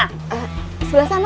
eh sebelah sana